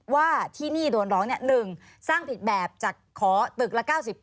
ว่าที่นี่โดนร้อง๑สร้างผิดแบบจากขอตึกละ๙๐